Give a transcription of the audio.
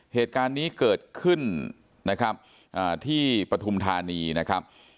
เหตุการณ์นี้เกิดขึ้นนะครับที่ปฐุมธานีนะครับ